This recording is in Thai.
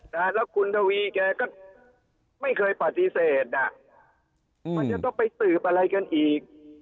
แล้วคุณทวีแกก็ไม่เคยปฏิเสธอ่ะมันจะต้องไปสืบอะไรกันอีก